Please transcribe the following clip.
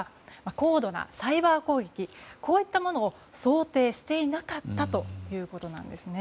高度なサイバー攻撃こういったものを想定していなかったということです。